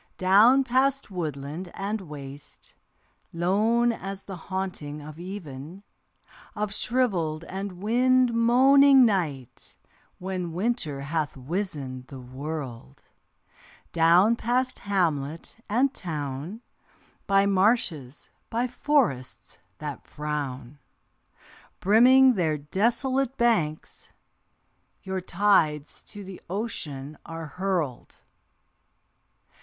Down past woodland and waste, lone as the haunting of even, Of shrivelled and wind moaning night when Winter hath wizened the world; Down past hamlet and town By marshes, by forests that frown, Brimming their desolate banks, Your tides to the ocean are hurled.